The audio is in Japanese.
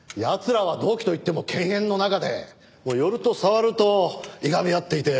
らは同期といっても犬猿の仲で寄ると触るといがみ合っていて。